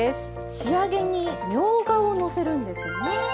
仕上げにみょうがをのせるんですね。